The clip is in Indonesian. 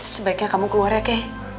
sebaiknya kamu keluarnya kei